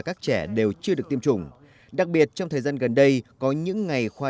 các trẻ đều chưa được tiêm chủng đặc biệt trong thời gian gần đây có những ngày khoa